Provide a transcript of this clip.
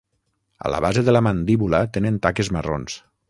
A la base de la mandíbula tenen taques marrons.